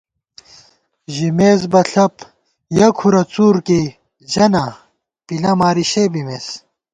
ژِمېس بہ ݪَپ ،یَہ کھُرہ څُور کېئ ژَہ نا، پِلہ ماری شےبِمېس